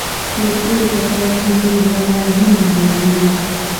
په تېر پسرلي کې زما ځینې ملګري